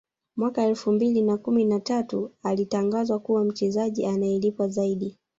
Mwaka elfu mbili na kumi na tatu alitangazwa kuwa mchezaji anayelipwa zaidi